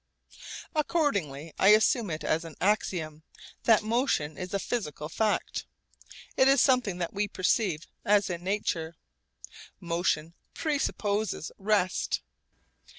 Accordingly I assume it as an axiom, that motion is a physical fact. It is something that we perceive as in nature. Motion presupposes rest.